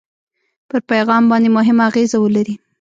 پر پیغام باندې مهمه اغېزه ولري.